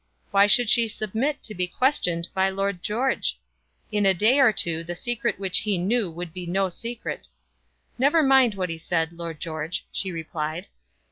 Why should she submit to be questioned by Lord George? In a day or two the secret which he knew would be no secret. "Never mind what he said, Lord George," she replied.